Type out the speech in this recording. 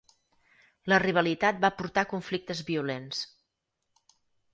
La rivalitat va portar conflictes violents.